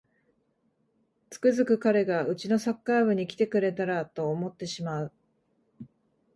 つくづく彼がうちのサッカー部に来てくれたらと思ってしまう